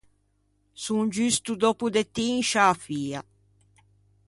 Son giusto dòppo de ti in sciâ fia.